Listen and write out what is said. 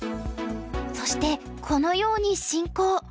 そしてこのように進行。